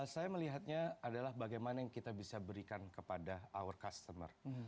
saya melihatnya adalah bagaimana yang kita bisa berikan kepada our customer